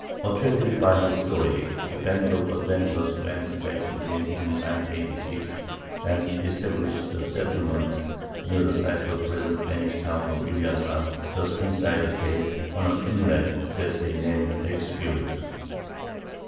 Attracted by his story, a band of adventurers went back with him in 986, and established a settlement near the site of the present Danish town Julianshaab, just inside the cape, on an inlet that they named Eriksfiord.